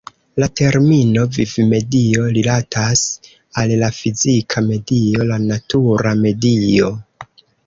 La termino "vivmedio" rilatas al la fizika medio, la natura medio.